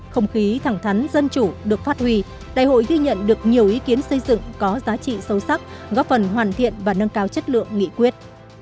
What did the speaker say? không khí thẳng thắn dân chủ được phát huy đại hội ghi nhận được nhiều ý kiến xây dựng có giá trị sâu sắc góp phần hoàn thiện và nâng cao chất lượng nghị quyết